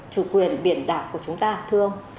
chủ quyền biển đảo của chúng ta thưa ông